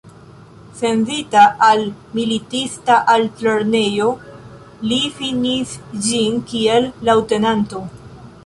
Sendita al militista altlernejo, li finis ĝin kiel leŭtenanto.